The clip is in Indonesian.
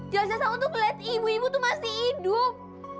jangan siapa siapa tuh liat ibu ibu tuh masih hidup